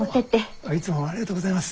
あっいつもありがとうございます。